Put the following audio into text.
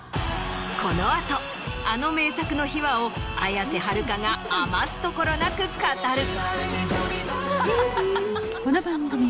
この後あの名作の秘話を綾瀬はるかが余すところなく語る。